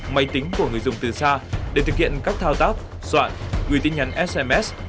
máy tính của người dùng từ xa để thực hiện các thao tác soạn gửi tin nhắn sms